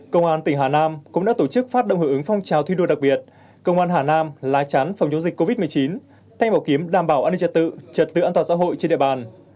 công an tỉnh hà nam cũng đã tổ chức phát động hưởng ứng phong trào thi đua đặc biệt công an hà nam lá chắn phòng chống dịch covid một mươi chín thay vào kiếm đảm bảo an ninh trật tự trật tự an toàn xã hội trên địa bàn